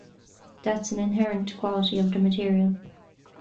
That's an inherent quality of the material.